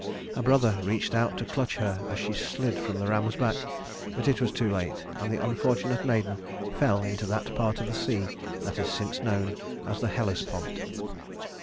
Her brother reached out to clutch her as she slid from the ram's back, but it was too late, and the unfortunate maiden fell into that part of the sea that is since known as the Hellespont.